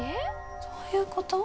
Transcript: どういうこと？